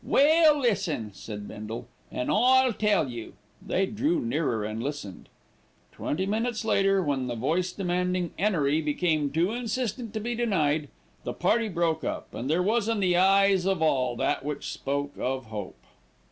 "Well, listen," said Bindle, "an' I'll tell you." They drew nearer and listened. Twenty minutes later, when the voice demanding 'Enery became too insistent to be denied, the party broke up, and there was in the eyes of all that which spoke of hope.